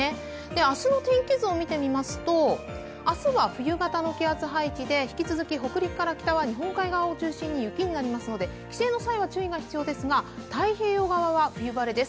明日の天気図を見てみますと明日は冬型の気圧配置で引き続き北陸から北は日本海側を中心に雪になりますので、帰省する方は注意ですが、太平洋側は冬晴れです。